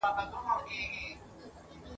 پېغلي تر نارینه وو لا زړه وري وې.